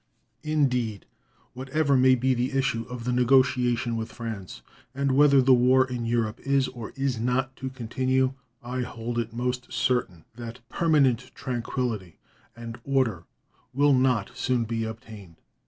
Indeed, whatever may be the issue of the negotiation with France, and whether the war in Europe is or is not to continue, I hold it most certain that permanent tranquillity and order will not soon be obtained.